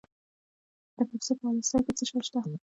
د کاپیسا په اله سای کې څه شی شته؟